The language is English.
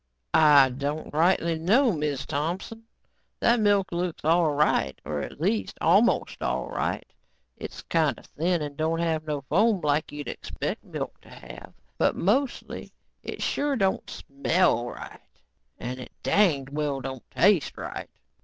"I don't rightly know, Miz Thompson. That milk looks all right, or at least, almost all right. It's kinda thin and don't have no foam like you'd expect milk to have. But mostly, it sure don't smell right and it danged well don't taste right.